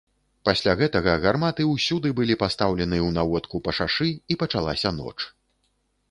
Пасля гэтага гарматы ўсюды былі пастаўлены ў наводку па шашы, і пачалася ноч.